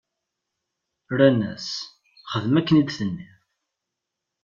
Rran-as: Xdem akken i d-tenniḍ!